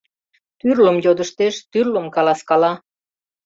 Тӱрлым йодыштеш, тӱрлым каласкала.